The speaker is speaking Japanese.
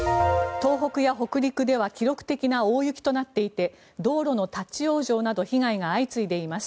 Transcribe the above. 東北や北陸では記録的な大雪となっていて道路の立ち往生など被害が相次いでいます。